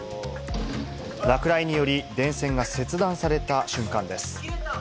落雷により電線が切断された瞬間です。